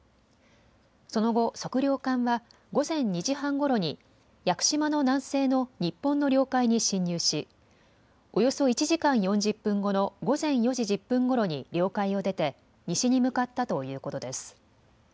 その後、測量艦は午前２時半ごろに屋久島の南西の日本の領海に侵入しおよそ１時間４０分後の午前４時１０分ごろに領海を出て西に向かったということです。